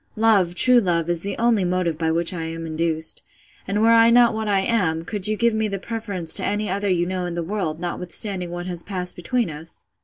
Love, true love, is the only motive by which I am induced. And were I not what I am, could you give me the preference to any other you know in the world, notwithstanding what has passed between us?